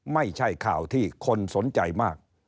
ไม่ใช่ข่าวที่คนสนใจมาก